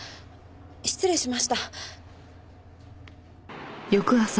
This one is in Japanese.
失礼しました。